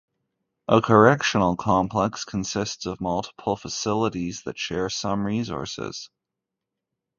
A correctional complex consists of multiple facilities that share some resources.